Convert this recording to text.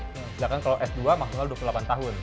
sedangkan kalau s dua maksimal dua puluh delapan tahun